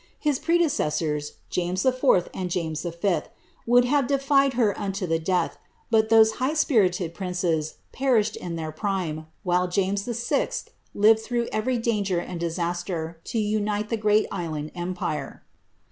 His predecessors, James IV. and James V., would have defied her unto the death, hut those high spirited princes perished in their prime, while James VI. lived tftough every danger and disaster, to unite the great island empire.